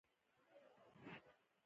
آیا اقتصادي جګړه روانه ده؟